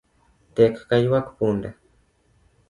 Tek ka ywak punda